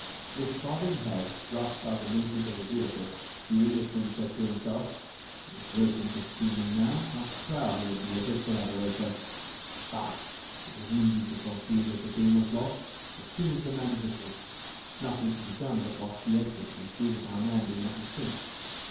With bobbing head, rocked by the movement of the vehicle, the Englishman said to himself: "If Wilson could see me now, how proud he would be of his collaborator!... Bah! It was easy to foresee that the game was lost, as soon as the man whistled; nothing could be done but watch the exits and see that our man did not escape.